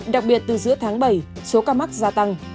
đặc biệt từ giữa tháng bảy số ca mắc gia tăng